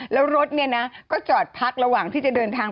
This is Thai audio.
แล้วรถเนี่ยนะก็จอดพักระหว่างที่จะเดินทาง